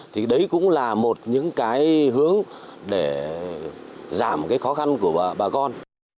thì đấy cũng là một những hướng để giảm khó khăn của bà con